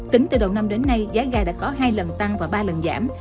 tính từ đầu năm đến nay giá gà đã có hai lần tăng và ba lần giảm